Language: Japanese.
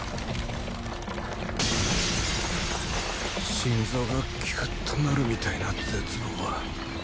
心臓がギュッとなるみたいな絶望は